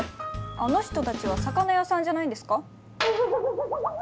あの人たちは魚屋さんじゃないんですか？